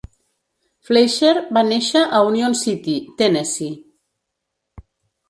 Fleisher va néixer a Union City, Tennessee.